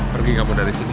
pergi kamu dari sini